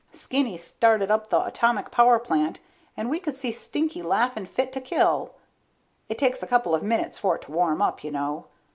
Skinny started up the atomic power plant, and we could see Stinky laughing fit to kill. It takes a couple of minutes for it to warm up, you know.